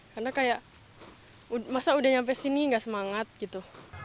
karena kayak masa udah nyampe sini gak semangat gitu